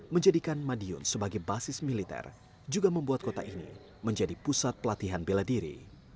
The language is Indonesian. menjadikan madiun sebagai basis militer juga membuat kota ini menjadi pusat pelatihan bela diri